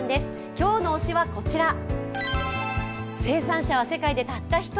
今日の推しはこちら、生産者は世界でたった一人。